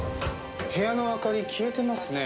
部屋の明かり消えてますね。